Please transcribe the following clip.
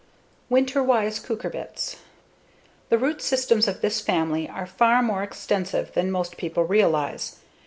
Water Wise Cucurbits The root systems of this family are far more extensive than most people realize.